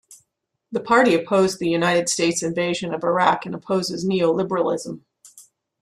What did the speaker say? The party opposed the United States invasion of Iraq and opposes neoliberalism.